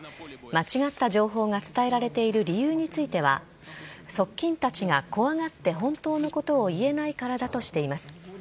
間違った情報が伝えられている理由については側近たちが怖がって本当のことを言えないからだとしています。